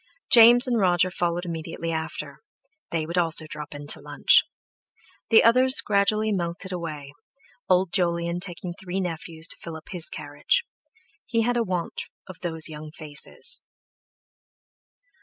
James and Roger followed immediately after; they also would drop in to lunch. The others gradually melted away, Old Jolyon taking three nephews to fill up his carriage; he had a want of those young faces.